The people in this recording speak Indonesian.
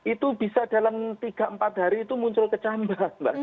itu bisa dalam tiga empat hari itu muncul kecambas mbak